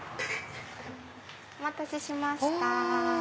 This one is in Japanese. お待たせしました。